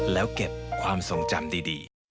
แล้วเก็บความทรงจำดี